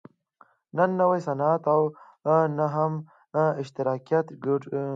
نه نوی صنعت او نه هم اشتراکیت ګټور و.